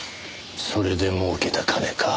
それで儲けた金か。